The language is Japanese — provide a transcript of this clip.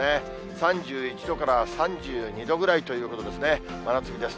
３１度から３２度ぐらいということですね、真夏日です。